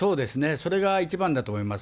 それが一番だと思います。